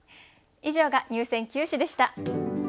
以上が入選九首でした。